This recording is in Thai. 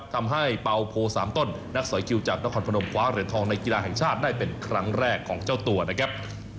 เป่าโพ๓ต้นนักสอยคิวจากนครพนมคว้าเหรียญทองในกีฬาแห่งชาติได้เป็นครั้งแรกของเจ้าตัวนะครับ